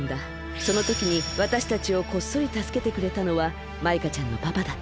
そのときにわたしたちをこっそりたすけてくれたのはマイカちゃんのパパだった。